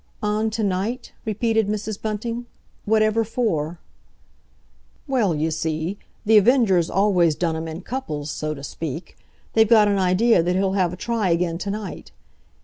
"On to night?" repeated Mrs. Bunting. "Whatever for?" "Well, you see, The Avenger's always done 'em in couples, so to speak. They've got an idea that he'll have a try again to night.